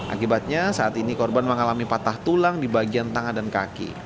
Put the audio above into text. akibatnya saat ini korban mengalami patah tulang di bagian tangan dan kaki